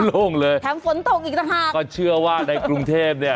โล่งเลยแถมฝนตกอีกต่างหากก็เชื่อว่าในกรุงเทพเนี่ย